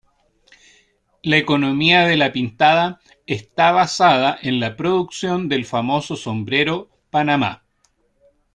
La economía de la Pintada está basada en la producción del famoso sombrero Panamá.